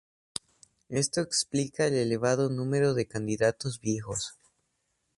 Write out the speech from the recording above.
Esto explica el elevado número de candidatos viejos.